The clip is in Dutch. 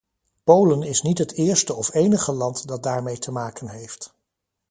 Polen is niet het eerste of enige land dat daarmee te maken heeft.